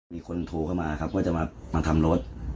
มีคนโทรเข้ามาก็จะมาทำรถ